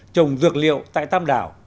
trồng dược liệu tại tam đảo